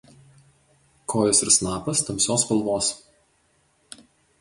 Kojos ir snapas tamsios spalvos.